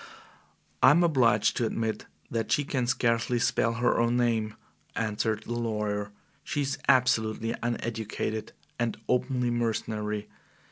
"I am obliged to admit that she can scarcely spell her own name," answered the lawyer. "She is absolutely uneducated and openly mercenary.